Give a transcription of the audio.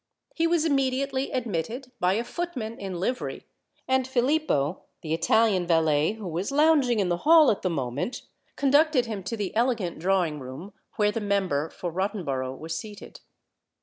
He was immediately admitted by a footman in livery; and Filippo, the Italian valet, who was lounging in the hall at the moment, conducted him to the elegant drawing room where the Member for Rottenborough was seated.